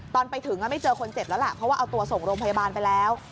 ตอนไปถึงไม่เจอคนเจ็บแล้วล่ะเพราะว่าเอาตัวส่งโรงพยาบาลไปแล้ว